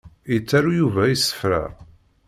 Yettaru Yuba isefra.